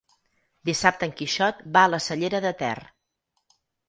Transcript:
Dissabte en Quixot va a la Cellera de Ter.